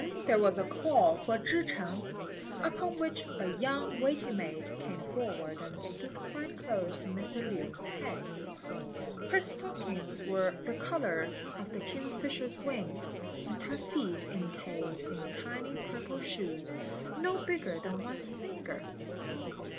There was then a call for Chih ch'eng, upon which a young waiting maid came forward and stood quite close to Mr. Lin's head. Her stockings were the colour of the kingfisher's wing, and her feet encased in tiny purple shoes, no bigger than one's finger.